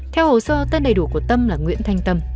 theo hồ sơ tên đầy đủ của tâm là nguyễn thanh tâm